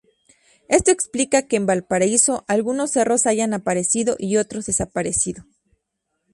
Esto explica que en Valparaíso algunos cerros hayan aparecido y otros desaparecido.